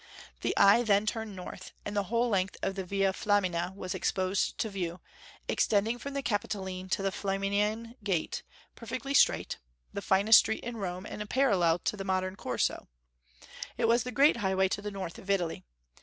The eye then turned to the north, and the whole length of the Via Flamina was exposed to view, extending from the Capitoline to the Flaminian gate, perfectly straight, the finest street in Rome, and parallel to the modern Corso; it was the great highway to the north of Italy.